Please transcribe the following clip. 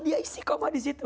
dia isi koma disitu